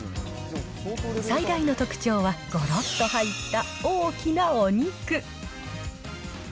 最大の特徴はごろっと入った大きなお肉。